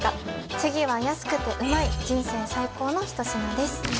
次は安くてうまい人生最高の一品です